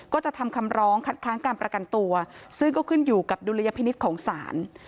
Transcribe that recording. ก็จะทำคำร้องคัดค้างการประกันตัวซึ่งก็ขึ้นอยู่กับดุลยพินิษฐ์ของศาล